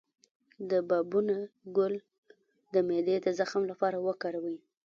د بابونه ګل د معدې د زخم لپاره وکاروئ